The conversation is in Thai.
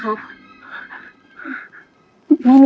ครับครับ